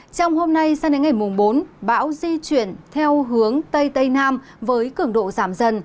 trong hôm nay sang đến ngày bốn bão di chuyển theo hướng tây tây nam với cường độ giảm dần